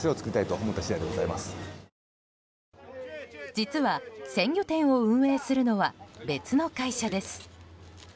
実は、鮮魚店を運営するのは別の会社です。